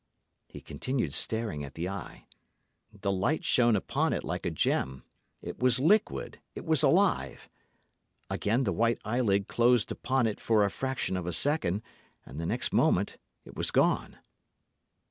He continued staring at the eye. The light shone upon it like a gem; it was liquid, it was alive. Again the white eyelid closed upon it for a fraction of a second, and the next moment it was gone.